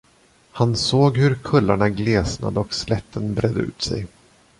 Han såg hur kullarna glesnade och slätten bredde ut sig.